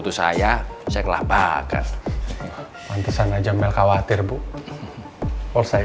terima kasih pak aris